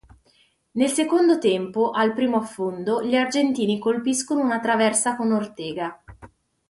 Nel secondo tempo, al primo affondo, gli argentini colpiscono una traversa con Ortega.